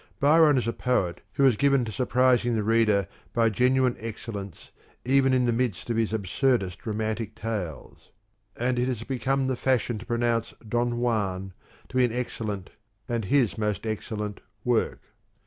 Byron is a poet who is given to surprising the reader by genuine excellence even in the midst of his absurdest romantic tales : and it has become the fashion to pronounce " Don Juan "to be an excellent, and his most excellent, work.